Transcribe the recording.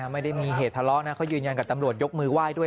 ไม่ได้มีเหตุทะเลาะนะเขายืนยันกับตำรวจยกมือไหว้ด้วย